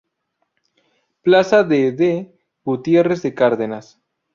Plaza de D. Gutierre de Cárdenas.